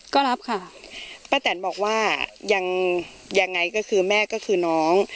ก็รับค่ะป้าแตนบอกว่ายังยังไงก็คือแม่ก็คือน้อง